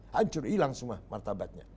hancur hilang semua martabatnya